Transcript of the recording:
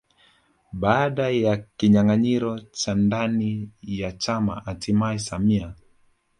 Baada ya kinyanganyiro cha ndani ya chama hatimaye samia